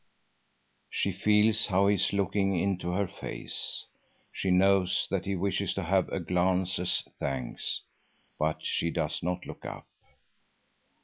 She feels how he is looking into her face. She knows that he wishes to have a glance as thanks, but she does not look up.